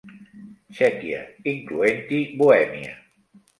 Txèquia, incloent-hi Bohèmia.